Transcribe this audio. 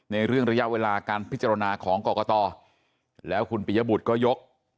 ในเรื่องระยะเวลาการพิจารณาของกรกตแล้วคุณปิยบุตรก็ยก